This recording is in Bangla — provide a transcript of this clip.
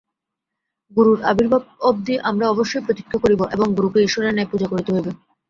গুরুর আবির্ভাব অবধি আমরা অবশ্যই প্রতীক্ষা করিব এবং গুরুকে ঈশ্বরের ন্যায় পূজা করিতে হইবে।